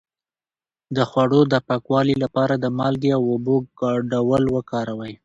د خوړو د پاکوالي لپاره د مالګې او اوبو ګډول وکاروئ